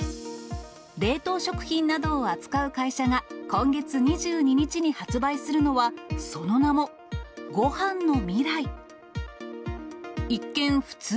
冷凍食品などを扱う会社が、今月２２日に発売するのは、その名もごはんのみらい。